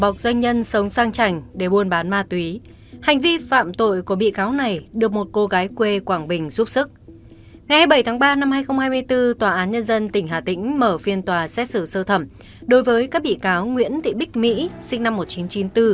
các bạn hãy đăng ký kênh để ủng hộ kênh của chúng mình nhé